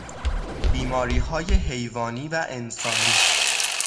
بیماریهای حیوانی و انسانی